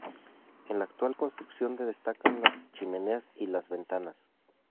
En la actual construcción destacan las chimeneas y las ventanas.